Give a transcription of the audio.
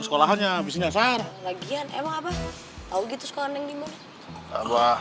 sekolahnya bisnisnya serbagian emang apa tahu gitu sekarang di mana